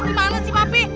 gimana sih papi